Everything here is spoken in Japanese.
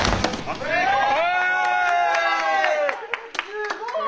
すごい！